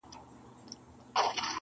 دا به ټوله حاضریږي په میدان کي!.